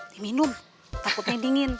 diminum takutnya dingin